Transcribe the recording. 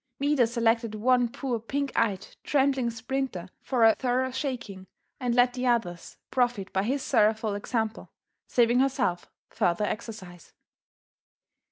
Maida selected one poor pink eyed, trembling sprinter for a thorough shaking and let the others profit by his sorrowful example, saving herself further exercise.